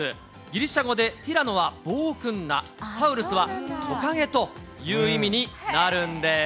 ギリシャ語でティラノは暴君な、サウルスはトカゲという意味になるんです。